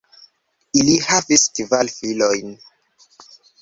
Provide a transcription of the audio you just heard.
Ili havis kvar filojn.